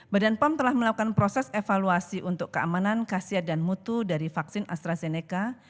badan pom telah melakukan proses evaluasi untuk keamanan kasiat dan mutu dari vaksin astrazeneca